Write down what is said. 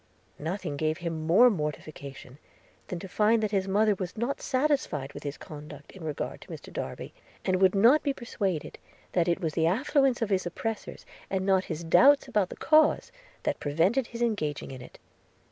Nothing gave him more mortification, than to find that his mother was not satisfied with his conduct in regard to Mr Darby; and would not be persuaded that it was the affluence of his opposers, and not his doubts about the cause, that prevented his engaging in it.